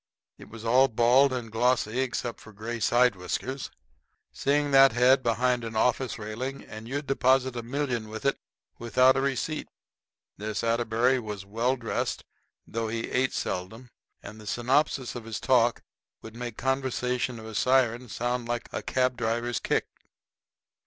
It was all bald and glossy except for gray side whiskers. Seeing that head behind an office railing, and you'd deposit a million with it without a receipt. This Atterbury was well dressed, though he ate seldom; and the synopsis of his talk would make the conversation of a siren sound like a cab driver's kick.